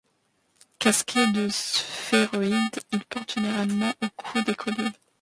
Casqués de sphéroïdes, ils portent généralement au cou des colliers.